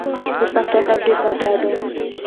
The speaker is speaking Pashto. د پښتو ادب ډېر بډایه دی.